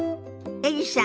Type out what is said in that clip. エリさん